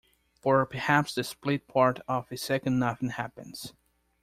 For perhaps the split part of a second nothing happens.